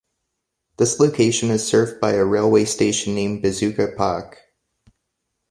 This location is served by a railway station named 'Besucherpark'.